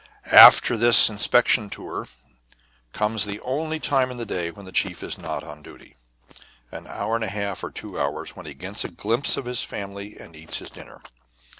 After this inspection tour comes the only time in the day when the chief is not on duty, an hour and a half or two hours, when he gets a glimpse of his family and eats his dinner.